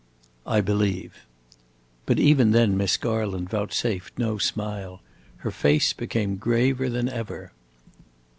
"I believe." But even then Miss Garland vouchsafed no smile. Her face became graver than ever.